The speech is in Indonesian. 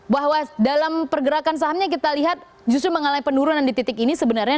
bahwa dalam pergerakan sahamnya kita lihat justru mengalami penurunan di titik ini sebenarnya